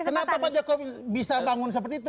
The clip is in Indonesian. kenapa pak jokowi bisa bangun seperti itu